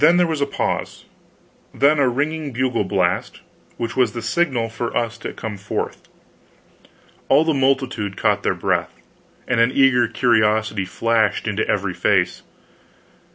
There was a pause, then a ringing bugle blast, which was the signal for us to come forth. All the multitude caught their breath, and an eager curiosity flashed into every face.